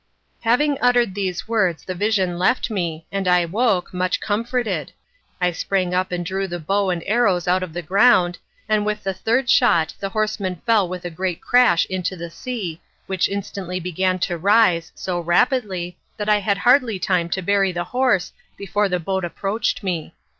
Having uttered these words the vision left me, and I woke, much comforted. I sprang up and drew the bow and arrows out of the ground, and with the third shot the horseman fell with a great crash into the sea, which instantly began to rise, so rapidly, that I had hardly time to bury the horse before the boat approached me.